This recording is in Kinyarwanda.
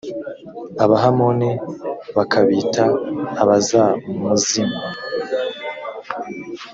abahamoni bakabita abazamuzimi: